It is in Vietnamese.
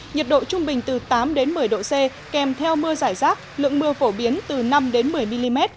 nhiệt độ trung bình từ tám một mươi độ c kèm theo mưa giải rác lượng mưa phổ biến từ năm một mươi mm